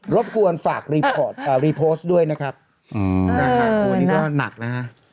รบกวนฝากรีโพสต์ด้วยนะครับ